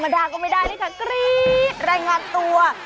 ต่อมาดาก็ไม่ได้เลยค่ะรายงานตัว